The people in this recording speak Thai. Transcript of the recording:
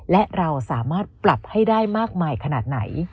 และเราสามารถปรับให้ได้มากมายขนาดไหน